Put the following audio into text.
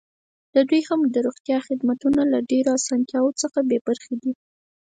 دوی هم د روغتیايي خدمتونو له ډېرو اسانتیاوو څخه بې برخې دي.